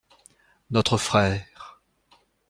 Notre frère.